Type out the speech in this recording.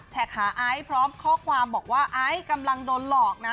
หาไอซ์พร้อมข้อความบอกว่าไอซ์กำลังโดนหลอกนะ